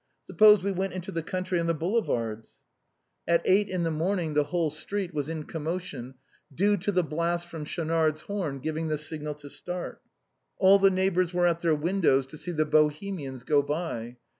Suppose we went into the country on the Boule vards ?" At eight in the morning the whole street was in a com motion, due to the blasts from Schaunard's horn giving the signal to start. All the neighbors were at their win dows to see the Bohemians go by.